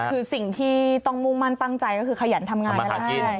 คือสิ่งที่ต้องมุมมันตั้งใจก็คือขยันทำงานได้